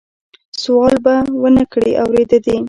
سوال به نه کړې اورېده دي